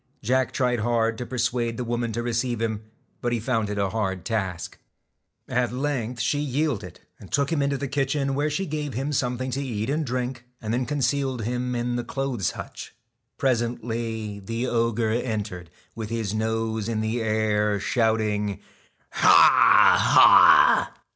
Jack tried hard to persuade the woman to receive him, but he found it a hard task. At length she yielded, and took him into the kitchen, where she gave him something to eat and drink, and then concealed him in the clothes hutch. Presently the ogre entered, with his nose in the air, shouting :' Ha ! Ha